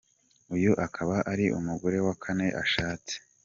Uyu akaba ari umugore wa kane ashatse.